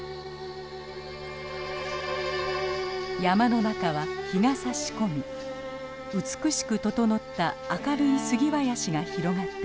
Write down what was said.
山の中は日がさし込み美しく整った明るいスギ林が広がっています。